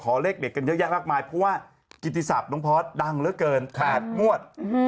ขอเลขเด๋กเยอะแยะรมายเพราะว่ากิธีศัพท์น้องพร้อมดังละเกินค่ะมอด